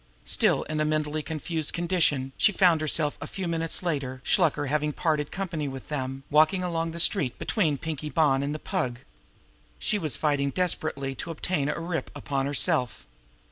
Still in a mentally confused condition, she found herself, a few minutes later Shluker having parted company with them walking along the street between Pinkie Bonn and the Pug. She was fighting desperately to obtain a rip upon herself.